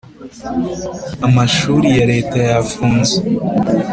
amashuri ya Leta yafunze